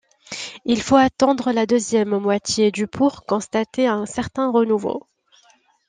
Il faut attendre la deuxième moitié du pour constater un certain renouveau.